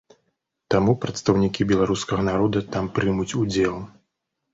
Таму прадстаўнікі беларускага народа там прымуць удзел.